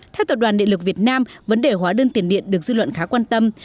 theo tổ đoàn địa lực việt nam vấn đề hóa đơn tiền điện được dư luận khá quan tâm